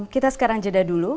kita sekarang jeda dulu